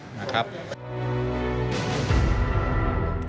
คุณภาพชีวิตที่ดีขึ้น